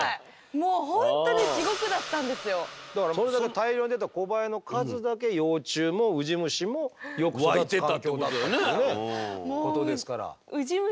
もう本当にだからそれだけ大量に出たコバエの数だけ幼虫もウジ虫もよく育つ環境だったということですから。